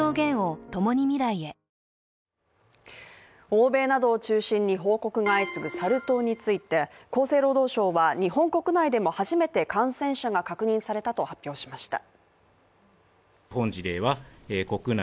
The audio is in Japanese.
欧米などを中心に報告が相次ぐサル痘について厚生労働省は、日本国内でも初めて感染者が確認されたと発表しました。